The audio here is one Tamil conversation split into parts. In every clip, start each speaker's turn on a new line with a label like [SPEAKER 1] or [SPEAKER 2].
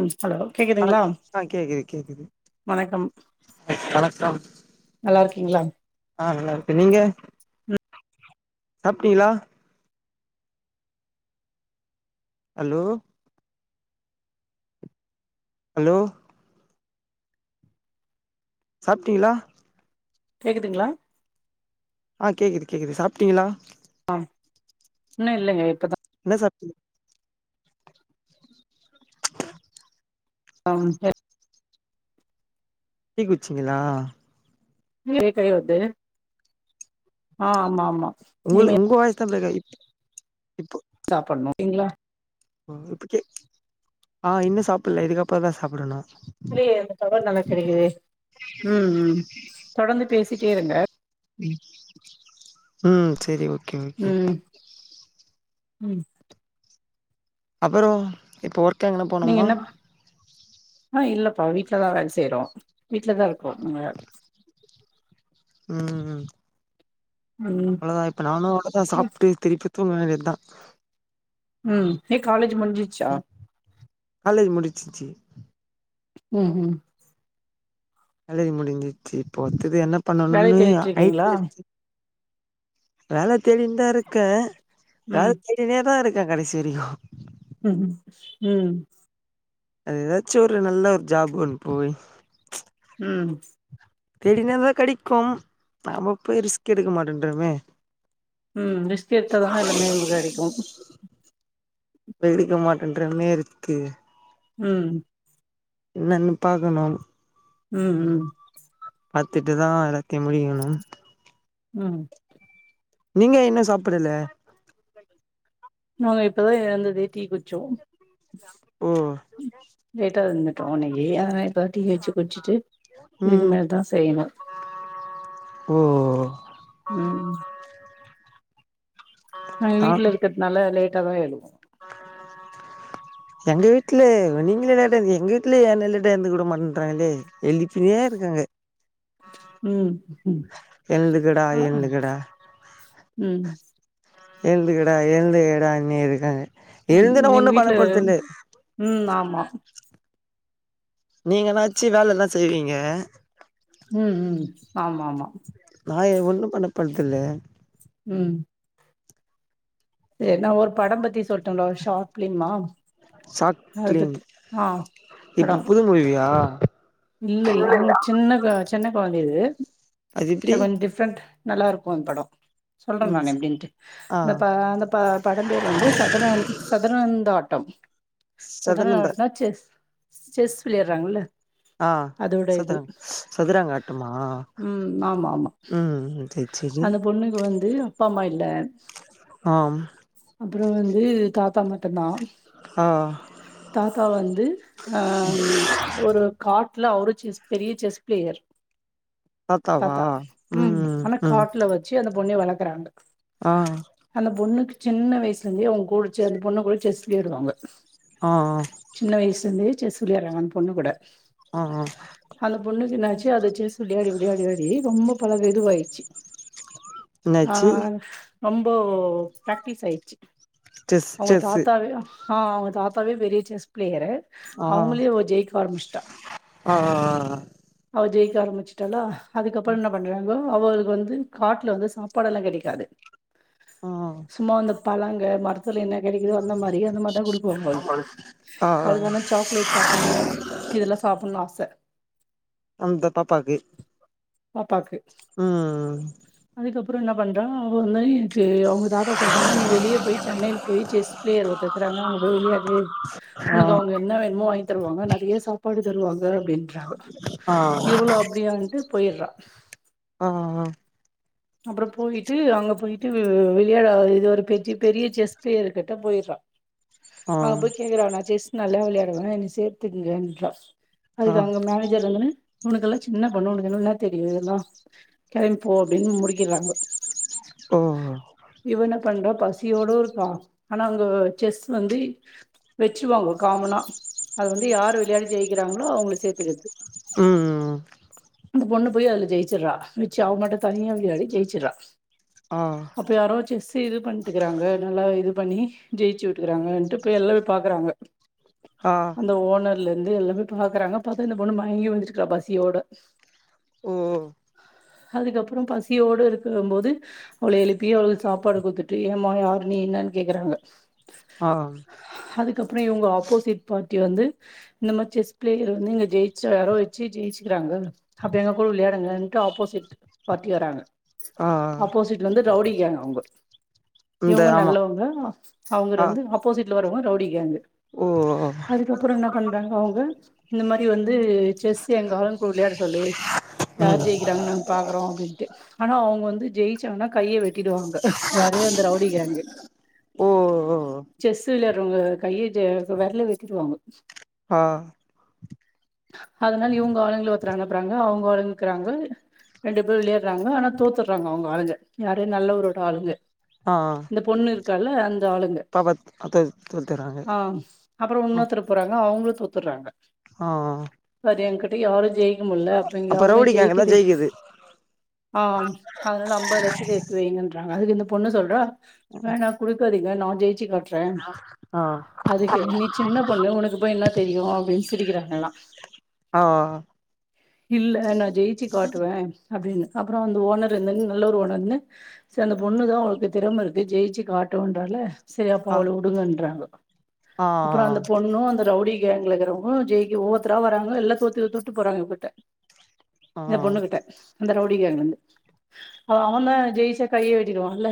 [SPEAKER 1] ம் ஹலோ கேக்குதுங்களா
[SPEAKER 2] ஆ கேக்குது கேக்குது
[SPEAKER 1] வணக்கம்
[SPEAKER 2] வணக்கம்
[SPEAKER 1] நல்லா இருக்கீங்களா
[SPEAKER 2] ஆ நல்லா இருக்கே நீங்க
[SPEAKER 1] ம்
[SPEAKER 2] சாப்டிகளா ஹலோ ஹலோ சாப்ட்டீகளா
[SPEAKER 1] கேக்குதுங்களா
[SPEAKER 2] ஆ கேக்குது கேக்குது சாப்ட்டீகளா
[SPEAKER 1] ஆ இன்னு இல்லங்க இப்பதா
[SPEAKER 2] என்ன சாப்டிங்க
[SPEAKER 1] [unintelligible]
[SPEAKER 2] டீ குச்சிங்களா
[SPEAKER 1] ஏ கை வது ஆஹ் ஆமா ஆமா
[SPEAKER 2] உங்களு
[SPEAKER 1] இனிமே
[SPEAKER 2] உங்க வாய்ஸ் தா [unintelligible] இப்போ
[SPEAKER 1] சாப்பண்ணோ
[SPEAKER 2] ஆஹ் இன்னு சாப்பில்ல இதுக்கப்புற தா சாப்பிடணு
[SPEAKER 1] இல்லையே இந்த டவர் நல்லா கெடைக்குதே சேரிங்க
[SPEAKER 2] உம் செரி ஓகே ஓகே
[SPEAKER 1] உம்
[SPEAKER 2] அப்புறம் இப்போ ஒர் க் எங்கனா போனோம்மா
[SPEAKER 1] ஆஹ் இல்லப்பா வீட்லதா வேல செய்றோ வீட்லதா இரு க்கோங்க
[SPEAKER 2] உம் உம்
[SPEAKER 1] ம்
[SPEAKER 2] அவ்ளோதா இப்ப நானு அங்கதா சாப்ட்டு திருப்பி தூங்க வேண்டிதா
[SPEAKER 1] உம் எ காலேஜ் முடிஞ்சிச்சா
[SPEAKER 2] காலேஜ் முடிச்சிச்சி
[SPEAKER 1] உம் உம்
[SPEAKER 2] காலேஜ் முடிஞ்சிச்சு இப்போ அடுத்தது என்ன
[SPEAKER 1] வேலை
[SPEAKER 2] பண்ணணுன்னு
[SPEAKER 1] தேடிட்டு
[SPEAKER 2] ஐ
[SPEAKER 1] இருக்கீங்களா
[SPEAKER 2] [inaudible] வேல தேடினு தா இருக்க வேல
[SPEAKER 1] ம்
[SPEAKER 2] தேடினே தா இருக் த கடைசி வெரைக்கு
[SPEAKER 1] உஹம் உம்
[SPEAKER 2] அது ஏதாச்சு ஒரு நல்ல ஒரு ஜாப் ஒன் போய்
[SPEAKER 1] ம்
[SPEAKER 2] தேடினேதா கெடைக்கும் நாம போய் ரிஸ்க் எடுக்க மாட்டேன்றோமே
[SPEAKER 1] உம் ரிஸ்க் எடுத்தானே எல்லாமே கெடைக்கு
[SPEAKER 2] இப்ப [unintelligible] மாட்டேன்றமே ரிஸ்க்கு
[SPEAKER 1] உம்
[SPEAKER 2] இன்னனு பாக்கணு
[SPEAKER 1] உம் உம்
[SPEAKER 2] பாத்துட்டுதா [unintelligible]
[SPEAKER 1] உம்
[SPEAKER 2] நீங்க என்ன சாப்புடல
[SPEAKER 1] நாங்க இப்பதா எழுந்ததே டீ குச்சோ
[SPEAKER 2] ஓ
[SPEAKER 1] லேட்டா வந்தன் [unintelligible] இப்ப டீ வச்சி குடிச்சுட்டு இது
[SPEAKER 2] ம்
[SPEAKER 1] மேல் தா செய்யணு
[SPEAKER 2] ஓ
[SPEAKER 1] உம் நா
[SPEAKER 2] ஆ
[SPEAKER 1] வீட்டுல இருக்கிறதுனால லேட் [unintelligible]
[SPEAKER 2] எங்க வீட்ல நீங்க லேட்டா எழுந்திக்கிறிங்க எங்க வீட்டுல யாரும் லேட்டா எழுந்துக்க வுட மாட்றாங்கலே எழுப்பினே இருக்காங்க
[SPEAKER 1] உம் உம்
[SPEAKER 2] எழுந்துக்கடா
[SPEAKER 1] ஆஹ்
[SPEAKER 2] எழுந்துக்கடா
[SPEAKER 1] உம்
[SPEAKER 2] ஏந்துகடா ஏந்து கடா ண்ணு இருக்காங்க எழுந்து நா
[SPEAKER 1] எங்க
[SPEAKER 2] ஒண்ணு பண்ண
[SPEAKER 1] வீட்டு்ல
[SPEAKER 2] போறதில்ல
[SPEAKER 1] உம் ஆமா
[SPEAKER 2] நீங்க என்னாச்சி வேல எதா செய்வீங்க
[SPEAKER 1] உம் உம் ஆமா ஆமா
[SPEAKER 2] நான் ஒண்ணு பண்ணப்படுதுல
[SPEAKER 1] உம் ஏனானா ஒரு படம் பத்தி சொல்லிட்டேன்ங்களா ஷாட் ஃப்ளிமா
[SPEAKER 2] ஷாட் ஃப்ளிம் இப்ப
[SPEAKER 1] படம்
[SPEAKER 2] புது மூவியா
[SPEAKER 1] இல்ல இல்ல அது ஒரு சின்ன காச்ச என்ன கொழந்த இது
[SPEAKER 2] அது எப்டி
[SPEAKER 1] வந்து டிஃப்ரென்ட நல்லா இருக்கு அந்த படம் சொல்றே நா
[SPEAKER 2] ம்
[SPEAKER 1] எப்பிடின்ட்டு
[SPEAKER 2] ஆ
[SPEAKER 1] அந்த அந்த படம் பேர் வந்து சதுர சதுரந்த ஆல் பட்டம் சதாரண
[SPEAKER 2] சதுரங்க
[SPEAKER 1] அட்டனச்சி செஸ் விளையாறாங்கல்ல
[SPEAKER 2] ஆ
[SPEAKER 1] அதோட இது
[SPEAKER 2] சதுரங்க சதுரங்க ஆட்டமா
[SPEAKER 1] உம் ஆமா ஆமா
[SPEAKER 2] ம் சரி சரி
[SPEAKER 1] அந்த பொண்ணுக்கு வந்து அப்பா அம்மா இல்ல
[SPEAKER 2] ஆஹ்
[SPEAKER 1] அப்புற வந்து தாத்தா மட்டு தா
[SPEAKER 2] ஆ
[SPEAKER 1] தாத்தா வந்து ஆஹ் ஒரு காட்டு ல அவரு செஸ் பெரிய செஸ் பிளேயர்
[SPEAKER 2] தாத்தாவா
[SPEAKER 1] தாத்தா உம்
[SPEAKER 2] ம்
[SPEAKER 1] ஆனா காட்டுல வச்சு அந்த பொண்ண வளக்கறாங்க
[SPEAKER 2] ஆஹ்
[SPEAKER 1] பொண்ணுக்கு சின்ன வயசுல இருந்தே அவங்க கூட அந்த பொண்ணு கூட செஸ் விளையாடுவாங்க
[SPEAKER 2] ஆ
[SPEAKER 1] சின்ன வயசுலந்து செஸ் விளாடுறங்க அந்த பொண்ணு கூட
[SPEAKER 2] ஆ ஆ
[SPEAKER 1] அந்த பொண்ணுக்கு என்னாச்சு அது செஸ் விளயாடி விளயாடி டி ரொம்ப பல வெதுவாயிச்சு
[SPEAKER 2] என்னாச்சு
[SPEAKER 1] ஆஹ் ரொம்போ பிராக்டிஸ் ஆயிடுச்சு
[SPEAKER 2] செஸ்
[SPEAKER 1] அவங்க
[SPEAKER 2] செஸ்ஸு
[SPEAKER 1] தாத்தாவே ஆ அவங்க தாத்தாவே பெரிய செஸ் பிளேயரு
[SPEAKER 2] ஆ
[SPEAKER 1] அவங்களே ஜெயிக்க வரம்பிச்சிட்டா
[SPEAKER 2] ஆ
[SPEAKER 1] அவ ஜெய் ஜெயிக்க ஆரம்பிச்சிட்டாலா அதுக்கப்புறம் என்ன பண்றாங்கோ அவளுக்கு வந்து காட்டுல வந்து சாப்பாட எல்லாம் கிடைக்காது
[SPEAKER 2] ஆ
[SPEAKER 1] சும்மா வந்து பழங்க மரத்துல என்ன கிடைக்குது வந்த மாதிரி அந்த மாதிரிதான் குடுக்குவாங்க
[SPEAKER 2] ஆ ஆ
[SPEAKER 1] அவளுக்கு அனா சாக்லேட் சாப்பிட்ணும் இதெல்லாம் சாப்பிட்ணும்னு ஆச
[SPEAKER 2] அந்த பாப்பாக்கு
[SPEAKER 1] பாப்பாக்கு
[SPEAKER 2] ம்ம்
[SPEAKER 1] அப்புறம் என்ன பண்றா அவ வந்து எனக்கு சொல்றாங்க நீ வெளியே போய் சென்னையில் போய் செஸ் பிளேயர் ஒருத்தர் இருக்றாங்க போய் விளயாடு
[SPEAKER 2] ஆ
[SPEAKER 1] உனக்கு அவங்க என்ன வேணுமோ வாங்கி தருவாங்க நெறைய சாப்பாடு தருவாங்க அப்பிடின்னு
[SPEAKER 2] ஆ
[SPEAKER 1] இவ்வளு அப்பிடியான்ட்டு போயிடுறா
[SPEAKER 2] ஆஹ்ஹ
[SPEAKER 1] அப்புறம் போயிட்டு அங்க போயிட்டு விளையாட இது ஒரு பெரிய பெரிய செஸ் பிளேயர் கிட்ட போய்டுறா
[SPEAKER 2] ஆ
[SPEAKER 1] அங்க போய் கேக்குறாங்க செஸ் நல்லா விளையாடுவேன் என்ன சேர்த்துக்கங்கறா
[SPEAKER 2] ஆ
[SPEAKER 1] அதுக்கு அவுங்க மேனேஜர் வந்துன்னு உனக்கெல்லாம் சின்ன பொண்ணு உனக்கும் என்ன தெரியும்எல்லாம் கிளம்பி போ அப்படின்னு முடிக்கிறாங்க
[SPEAKER 2] ஒகோ
[SPEAKER 1] பண்ற பசியோட இருக்கா ஆனா அங்க செஸ் வந்து வச்சுவாங்க காமனா அதை வந்து யார் விளையாடி ஜெயிக்கிறாங்களோ அவங்க சேர்த்துக்கிறது
[SPEAKER 2] உம் உம்
[SPEAKER 1] அங்க பொண்ணு போய் அது ஜெயிச்சிடடுறா வச்சு அவ மட்டும் தனியா விளையாடி ஜெயிச்சுறான்
[SPEAKER 2] ஆ
[SPEAKER 1] அப்ப யாரோ செஸ் இது பண்ணிட்டுக்கிறாங்க நல்லா இது பண்ணி ஜெயி விட்டுக்கறாங்கன்ட்டு போய் எல்லா பாக்குறாங்க
[SPEAKER 2] ஆ
[SPEAKER 1] அந்த ஓனர் பக்கத்துல இருந்து எல்லாமே பாக்குறாங்க பார்த்தா இந்த பொண்ணு மயங்கி விழுந்துருறா பசியோட
[SPEAKER 2] உம்
[SPEAKER 1] அதுக்கப் அப்புறம் பசியோடு இருக்கும் போது அவள எழுப்பி அவளுக்கு சாப்பாடு குத்துட்டு ஏமா யாரு நீ என்னு கேக்குறாங்க
[SPEAKER 2] ஆஹ்
[SPEAKER 1] அதுக்கப்புறம் இவங்க ஆப்போசிட் பார்ட்டி வந்து இந்த மாதிரி செஸ் பிளேயர் வந்து இங்க ஜெயிச்ச வர வச்சு ஜெயிச்சிக்கிறாங்க அப்ப எங்க கூட விளையாடுங்கட்டு ஆப்போசிட் பார்ட்டி வறாங்க
[SPEAKER 2] ஆ
[SPEAKER 1] ஆப்போசிட் வந்து ரவுடி கேங் அவுங்க
[SPEAKER 2] இந்த
[SPEAKER 1] இவங்க
[SPEAKER 2] ஆமா
[SPEAKER 1] நல்லவங்க அவங்க
[SPEAKER 2] ஆ
[SPEAKER 1] வந்து ஆப்போசிட்ல வரவங்க ரவுடி கேங்
[SPEAKER 2] ஓ
[SPEAKER 1] அதுக்கப்புறம் என்ன பண்றாங்க அவங்க இந்த மாரி வந்து ந்து செஸ் எங்க ஆளுங்கூட விளையாட சொல்லு யார்
[SPEAKER 2] ம்
[SPEAKER 1] ஜெயிக்கிறாங்க நாங்க பாக்கறோம் ஆனா அவங்க வ வந்து ஜெயிச்சாங்னா கையை வெட்டு வெட்டிடுவாங்க யாருஅந்த ரவுடி கேங்
[SPEAKER 2] ஓ ஓ
[SPEAKER 1] செஸ் விளையா ங்க கை வெரல வெட்டிடுவாங்க
[SPEAKER 2] ஆஹ்
[SPEAKER 1] அதனால இவங்க ஆளுங்கள ஒரு த்தர அனுப்புவாங்க அவங்க ஆளுங்க இருக்காங்க ரெண்டு பேரு விளையாடுறாங்க ஆனா தோத்துறாங்க அவங்க ஆளுங்க யாரு நல்லவரோட ஆளுங்க
[SPEAKER 2] ஆ
[SPEAKER 1] இந்த பொண்ணு இருக்கு காள அந் ஆளுங்க
[SPEAKER 2] பாப்பா தொ தோத்துறாங்க
[SPEAKER 1] ஆஹ் அப்புறம் இன்னொத்ரு போறாங்க அவங்களுக்கு காப்பத்துறாங்க
[SPEAKER 2] ஆஹ்
[SPEAKER 1] எங்கட்ட யாரும் ஜெயி முல்ல அப்ப இங்க
[SPEAKER 2] ரவுடி கேங்கு தா
[SPEAKER 1] யாருமேஜெய்க்கத்து
[SPEAKER 2] ஜெயிக்குது
[SPEAKER 1] ஆஹ் அதனால அம்பது லட்ச த்தஎடுத்து வைங்கன்ற அதுக்கு இந்த பொண்ணு சொல்றா வேணா குடுக்காதிங்க நா ஜெய்ச்சி காட்டேறன்
[SPEAKER 2] ஆ
[SPEAKER 1] அதுக்கு நீ சின்ன பொண்ணு உனக்கு போய் என்ன தெரியும் அப்படின்னு சிரிக்கிறாங்க எல்லாம்
[SPEAKER 2] ஆ
[SPEAKER 1] இல்ல நான் ஜெயிச்சு காட்டுவேன் அப்படின்னு அப்புறம் அந்த ஓனர் இருந்தன்ன நல்ல ஒரு ஓனர்ருனுசரி அந்த பொண்ணு தான் அவங்களுக்கு திறமை இருக்குது ஜெயிச்சு காட்டுன்றால சரி அப்ப
[SPEAKER 2] ஆ
[SPEAKER 1] அவள வுடுங்கன்றாங்க
[SPEAKER 2] ஆ
[SPEAKER 1] அப்புறம் அந்த பொண்ணும் அந்த ரவுடி கேங்க ஐ இருக்கிறவங்க ஜெயி ஒவ்வொத்தரா வராங்க எல்லா தோத்து போறாங்க இவ கிட்ட
[SPEAKER 2] ஆ
[SPEAKER 1] இந்த பொண்ணுகிட்ட அந்த ரவுடி கேங் வந்து அவ தான் ஜெயிச்சா கையை வெட்டிடுவான்ல்ல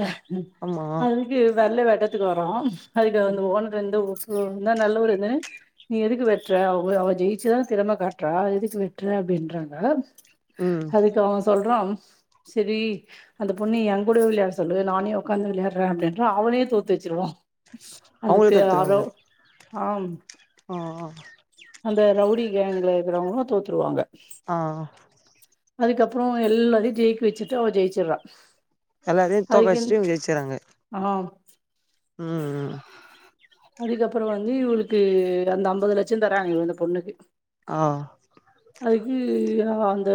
[SPEAKER 2] ஆமா
[SPEAKER 1] அதுக்கு வெல்ல வே இடத்துக்கு வறோம் அதுக்கு வந்து ஒனர் வந்து நல்லவருன்னு நீ எதுக்கு வெட்டுற அவ அவ ஜெயிச்சுதான் திறமை காட்டுறா எதுக்கு வெட்டுற அப்படின்றாங்க
[SPEAKER 2] உம்
[SPEAKER 1] அவ சொல்றா சரி அந்த பொண்ணு என் கூட விளையாட சொல்லு நானே உக்காந்து விளையாடுறேன் அப்படின்றா அவனே தோத்து வச்சிருவான் அதுக்கு யாரோ ஆம்
[SPEAKER 2] ஓஓ
[SPEAKER 1] அந்த ரவுடி கேங்குள இருக்கிறவங்களு தோத்துருவாங்க
[SPEAKER 2] ஆஹ்
[SPEAKER 1] அதுக்கப்புறம் எல்லாத்தையும் ஜெயிக்க வச்சுட்டு அவள் ஜெயிச்சிடறா
[SPEAKER 2] எல்லாத்தையும் தோக்க வச்சு இவங்க ஜெயிச்சுறாங்க
[SPEAKER 1] ஆ
[SPEAKER 2] உஹம் உஹம்
[SPEAKER 1] அதுக்கப்புறம் வந்து இவளுக்கு அந்த ஐம்பது லட்சம் தராங்க இவ இந்த பொண்ணுக்கு
[SPEAKER 2] ஆ
[SPEAKER 1] அதுக்கு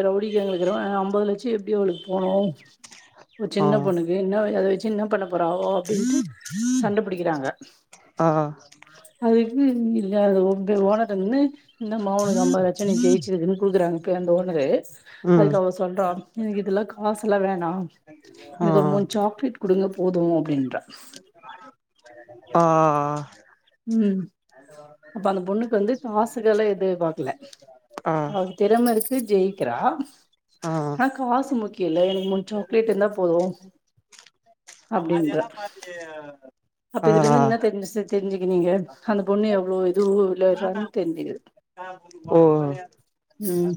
[SPEAKER 1] ரவுடி கேங்க்ல இருக்கிறவ ஐம்பது லட்சம் எப் எப்டி இவளுக்கு போனோ ஒரு
[SPEAKER 2] ஆ
[SPEAKER 1] சின்ன பொண்ணுக்கு என்ன வயசு அது வெச்சி என்ன பன்ன போற போறவோ அப்படின்ட்டு சண்டைபிடிக்கிறாங்க
[SPEAKER 2] ஆ
[SPEAKER 1] அதுக்கு [inaudible] அது ஓனர்ட்ட நின்னு இந்தமா உனக்கு ஐம்பதுலட்சம் நீ ஜெயிச்சிருக்கான்னு குடுக்குறாங்க இப்ப அந்த ஓனரு
[SPEAKER 2] ம்
[SPEAKER 1] அதுக்கு அவ சொல்றான் எனக்கு இதெல்லாம் காசு எல்லாம் வேணாம்
[SPEAKER 2] ஆ
[SPEAKER 1] எனக்கு ஒரு மூணு சாக்லேட் கொடுங்க போதும் அப்படின்ற
[SPEAKER 2] ஆஹ் ஆஹ் ஆஹ்
[SPEAKER 1] உம் அப்ப அந்த பொண்ணுக்கு வந்து காஸ்சுல எதிர் பாக்கல
[SPEAKER 2] ஆ
[SPEAKER 1] அவ திறம இருக்கு ஜெயிக்கிறா
[SPEAKER 2] ஆ
[SPEAKER 1] ஆஹ் காசு முக்கி இல்ல எனக்கு முன் சாக்லேட் இருந்த போதும் அப்படின்ற அப்ப
[SPEAKER 2] ஆ
[SPEAKER 1] இதுல இருந்து என்ன தெரிஞ்சு தெரிஞ்சுக்கு நீங்க அந்த பொண்ணு எவ்வளவு இதுவும் விளையாடுறான்னு தெரிஞ்சுக்குது
[SPEAKER 2] ஓ
[SPEAKER 1] ம்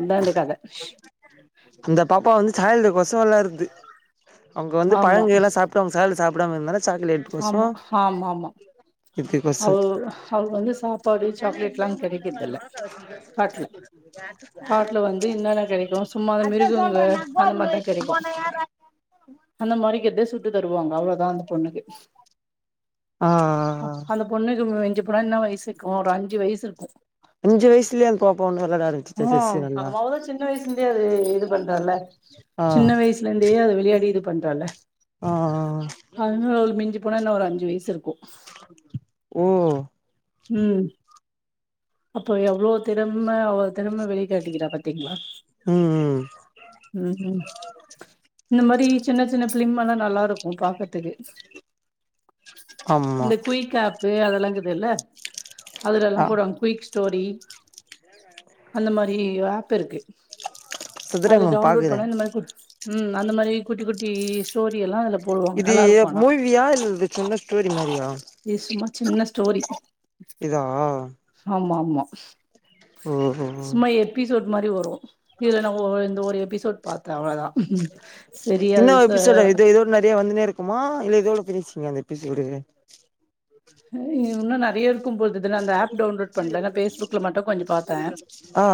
[SPEAKER 1] இதா இந்த கத
[SPEAKER 2] அந்த பாப்பா வந்து சாக் இந்த பஸ் நல்லா இருந்து அவங்க வந்து
[SPEAKER 1] ஆமா
[SPEAKER 2] பழங்க எல்லாம் சாப்பிட்டு அவங்க ச சாப்டாம [unintelligible] கொசோ
[SPEAKER 1] ஆமா ஆமா ஆமா
[SPEAKER 2] இது
[SPEAKER 1] அவ
[SPEAKER 2] கொசோ
[SPEAKER 1] அவுங்க வந்து சாப்பாடு சாக்லேட்லா கெடைக்கறதில்ல
[SPEAKER 2] [unintelligible]
[SPEAKER 1] காட்டுல வந்து என்னன்னா கெடைக்கு சும்மாத
[SPEAKER 2] அதா
[SPEAKER 1] மிருகுங்க
[SPEAKER 2] சொல்றே நா
[SPEAKER 1] அந்த
[SPEAKER 2] கோதும
[SPEAKER 1] மாரிதா
[SPEAKER 2] வச்சுட்டு
[SPEAKER 1] கெடைக்கு
[SPEAKER 2] போன யார
[SPEAKER 1] அந்த மாரி கெடைக்கத்தே சுட் டு தருவாங்க அவ்ளோதா அந்த பொண்ணுக்கு
[SPEAKER 2] ஆ
[SPEAKER 1] அந்த பொண்ணுக்கு மிஞ்சி என்ன வயசுருக்கு ஒரு அஞ்சி வயசு இருக்கு
[SPEAKER 2] அஞ்சி வயசுலே அந்த பாப்பா [unintelligible]
[SPEAKER 1] மோ
[SPEAKER 2] நல்லா
[SPEAKER 1] [unintelligible] சின்ன வயசுல இருந்தே அது இது பண்றல்ல
[SPEAKER 2] ஆ
[SPEAKER 1] சின்ன வயசுல இருந்தே அது விளையாடி இது பண்றால
[SPEAKER 2] ஆஹ்ஹ
[SPEAKER 1] அஞ்சி வயசு இருக்கு
[SPEAKER 2] ஓ
[SPEAKER 1] உம் அப்போ எவ்ளோ திறம்ம அவ்ளோ திறம வெளிக்காட்டிக்கிறா பாத்தீங்களா
[SPEAKER 2] ம் ம்
[SPEAKER 1] உம்ம் இந்த மாரி சின்ன சின்ன பிலிம் எல்லா நல்லா இருக்கு பாக்கத்துக்கு
[SPEAKER 2] ஆமா
[SPEAKER 1] து அதெல்லாங்குது இல்ல அதுலெல்லா
[SPEAKER 2] ஆ
[SPEAKER 1] போடுவாங்க குயிக்ஸ் ஸ்டோரி அந்த மாரி ஆப் இருக்கு அதுல
[SPEAKER 2] சதுரங்கம்
[SPEAKER 1] டவுன்லோட்
[SPEAKER 2] பாக்குறே
[SPEAKER 1] பண்ண இந்த மாரி ம் அந்த மாரி குட்டி குட்டி ஸ்டோரி எல்லா போடுவாங்க
[SPEAKER 2] இது
[SPEAKER 1] நல்லா இருக்கு ஆனா
[SPEAKER 2] மூவியா இல்ல இது சின்ன ஸ்டோரி மாரியா
[SPEAKER 1] இது சும்மா சின்ன ஸ்டோரி
[SPEAKER 2] இதா உ [unintelligible]
[SPEAKER 1] அம்மா அம்மா
[SPEAKER 2] ஓஹ ஓ
[SPEAKER 1] இம்மாரி வரு இதுல நா ஒ ஒ இந்த ஒரு எபிசோட் பாத்த அவ்ளதா
[SPEAKER 2] இன்னு
[SPEAKER 1] சீரியல்ஸ
[SPEAKER 2] எபிசோடு இது இதோட நெறைய எபிசோடே உ [unintelligible]
[SPEAKER 1] இன்னும் நிறைய இருக்கும் போது அதனந்த ஆப் டவுன்லோட் பண்ணல பேஸ்புக்ல மட்டும் கொஞ்ச பார்த்தேன்
[SPEAKER 2] ஆ ஆ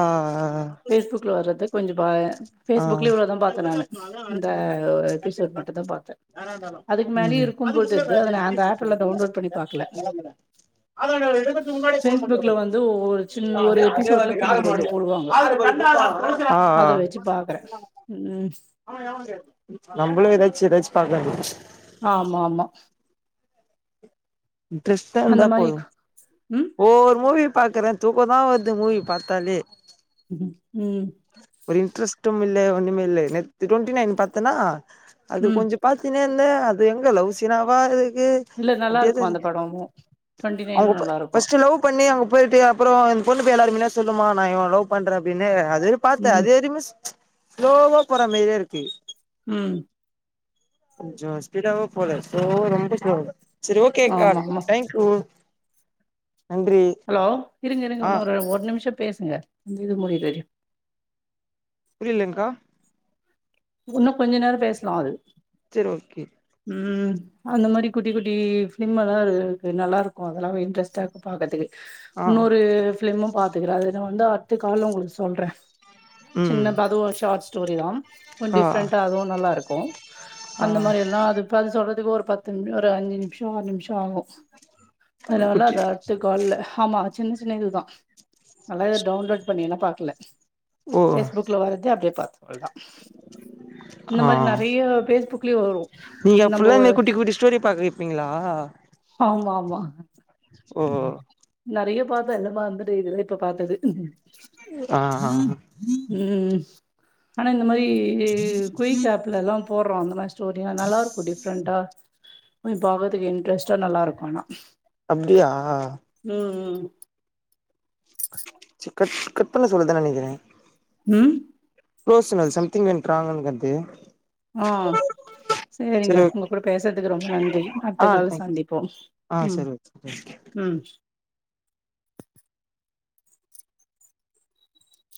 [SPEAKER 1] பேஸ்புக்ல வர்றது கொஞ்ச பாய இந்த எபிசோட் மட்டுந்தா பாத்த அதுக்கு
[SPEAKER 2] ஆஹ்
[SPEAKER 1] மேலயு இருக்கும் போல தெர்து அத நா அந்த ஆப்ல டவுன்லோட் பண்ணி பாக்கல
[SPEAKER 2] உம்
[SPEAKER 1] பேஸ்புக்ல வந்து ஒரு சின்ன ஒரு எபிசோட்ல கொஞ்ச கொஞ்ச போடுவாங்க அத
[SPEAKER 2] ஹஹ
[SPEAKER 1] வெச்சு பாக்குற ம்
[SPEAKER 2] நம்பளும் ஏதாச்சு ஏதாச்சு பார்க்கறது
[SPEAKER 1] ஆம்மா ஆம்மா
[SPEAKER 2] இன்ட்ரெஸ்ட் தான்
[SPEAKER 1] அந்த
[SPEAKER 2] இருந்தா
[SPEAKER 1] மாரி
[SPEAKER 2] போதும்
[SPEAKER 1] ம்
[SPEAKER 2] ஓ ஒரு மூவி பார்க்றேன் தூக்க தான் வர்து மூவி பாத்தாலே
[SPEAKER 1] ம்ம்
[SPEAKER 2] ஒரு இன்டரெஸ்ட்டும் இல்ல ஒன்னுமே இல்லநேத்து டுவண்ட்டி நைன் பார்த்தேன்னா அது
[SPEAKER 1] ம்
[SPEAKER 2] கொஞ்சம் பார்த்தினே இல்ல அது எங்க லவ் சினாவா இருக்கு அப்படியே தான் இருக்கு
[SPEAKER 1] படமும் நல்லயிருக்கும் டுவண்டி நையனும் நல்லாயிருக்கும்
[SPEAKER 2] போயிடு அப்புறம் அந்த பொண்ணு எல்லாரு மே சொல்லுமா நான்இவனே லவ் பண்றேன் அபிடினு அதுரி பார்த்தேன்
[SPEAKER 1] ம்
[SPEAKER 2] அதேறிமே மிச் சுலோவா போற மாதிரியே இருக்கு
[SPEAKER 1] உம்
[SPEAKER 2] கொஞ்சம் ஸ்பீடாவ போலே ரொம்ப ஸ்லேவ சேரி ஓகே க
[SPEAKER 1] ஆமா ஆமா
[SPEAKER 2] டேங்க்யூ
[SPEAKER 1] ஹலோ இருங்க இருங்க
[SPEAKER 2] ஆ
[SPEAKER 1] இன்னும் ஒரு நிமிஷம் பேசுங்க அந்த இது முடியர வரையும்
[SPEAKER 2] புரியலங்க்கா
[SPEAKER 1] இன்னும் கொஞ்ச நேரம் பேசலாம் அது
[SPEAKER 2] சேரி ஓகே
[SPEAKER 1] உம் அந்த மாரி குட்டி குட்டி சிம்மெல்லாம் இருக்கு நல்லருக்கும் அதெல்லாம் இன்ட்ரெஸ்ட்டா இருக்கு பார்க்கறதுக்கு
[SPEAKER 2] ஆ
[SPEAKER 1] இன்னொரு ஃபிலிமும் பாத்துக்கிறேன் அதுன் வந்து அடுத்து கால்ல உங்களுக்கு சொல்றேன்
[SPEAKER 2] ம்
[SPEAKER 1] சின்ன பத ஷா்ஸ் ஸ்டோரி தான்
[SPEAKER 2] ஆ
[SPEAKER 1] டிஃப்ரெண்டா அதுவும் நல்லா இருக்கும்
[SPEAKER 2] ஆ
[SPEAKER 1] அந்த மாரி எல்லாம் அது அது சொல்றது அது ஒரு பத்து நிமிஷம்ஒரு அஞ்சு நிமிஷம் ஆறுநிமிஷம் ஆகும்
[SPEAKER 2] அந்த
[SPEAKER 1] அலால்அ
[SPEAKER 2] குட்டி
[SPEAKER 1] அடுத்தக்கல்லஆமா சின்ன சின்ன இதுதான் நல்லா இத டவுன்லோடு பண்ணின்னா பாக்கல
[SPEAKER 2] ஓ
[SPEAKER 1] பேஸ்புக்ல வர்றது அப்டியே பாத்த அதுதா
[SPEAKER 2] ஆஹ்
[SPEAKER 1] ஃபேஸ்புக்லயும் வரும்
[SPEAKER 2] நீங்க
[SPEAKER 1] நம்போ
[SPEAKER 2] புல்லாமே குட்டி குட்டி ஸ்டோரி பாக்க வப்பீங்களா
[SPEAKER 1] ஆமா ஆமா நெறய பாத்தன் இப்பயேல்லாம்மரந்துட்டு இருக்கு இப்ப பாத்தது
[SPEAKER 2] ஆஹ் ஆஹ்
[SPEAKER 1] ம் ஆனா இந்த மாரி குய்க் ஆப்ல எலாம் போட் அப்ரம்வந்து ஸ்டோரியல்லா நல்லா இருக்கும் டிஃப்ரெண்ட்டா போய் பாக்கறக்கு இன்ட்ரெஸ்ட்டா நல்லா இருக்கும் ஆனா
[SPEAKER 2] அப்டியாஹ
[SPEAKER 1] [inaudible]
[SPEAKER 2] செரி
[SPEAKER 1] [inaudible]
[SPEAKER 2] கட் கட் பண்ண சொல்லதான நெனக்கிறேன்
[SPEAKER 1] ம்
[SPEAKER 2] குளோஸ் சம்திங்குது ராங்
[SPEAKER 1] ஆஹ் சேரிங்க
[SPEAKER 2] ஓக்
[SPEAKER 1] உங்க கூட பேசுறதுக்கு ரொம்ப நன்றி அடுத்த
[SPEAKER 2] ஆ
[SPEAKER 1] கால்
[SPEAKER 2] தேங்க்ஸ்
[SPEAKER 1] சந்திப்போம்
[SPEAKER 2] ஆ
[SPEAKER 1] உம்
[SPEAKER 2] செரி ஓகே
[SPEAKER 1] உம்